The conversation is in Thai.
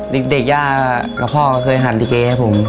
เด็กย่ากับพ่อเคยหั่นลิเกให้ผม